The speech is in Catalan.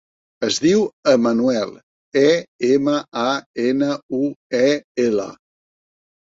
Es diu Emanuel: e, ema, a, ena, u, e, ela.